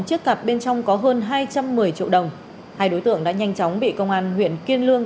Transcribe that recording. hai chiếc cặp bên trong có hơn hai trăm một mươi triệu đồng hai đối tượng đã nhanh chóng bị công an huyện kiên lương